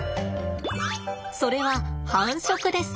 それは繁殖です。